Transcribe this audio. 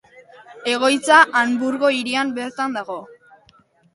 Egoitza Hanburgo hirian bertan dago.